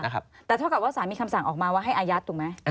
แต่เท่ากับว่าสารมีคำสั่งออกมาว่าให้อายัดถูกไหม